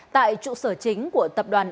tại trụ sở chính của tập đoàn